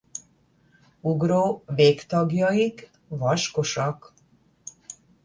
Ugró végtagjaik vaskosak.